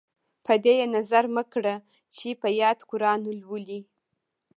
په دې یې نظر مه کړه چې په یاد قران لولي.